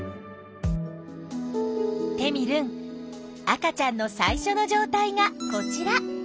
テミルン赤ちゃんの最初の状態がこちら。